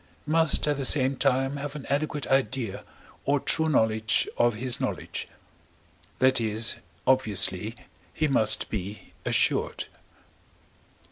must at the same time have an adequate idea or true knowledge of his knowledge; that is, obviously, he must be assured.